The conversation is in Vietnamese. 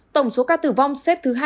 tổng số ca tử vong xếp thứ hai mươi bốn